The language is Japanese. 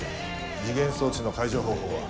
時限装置の解除方法は？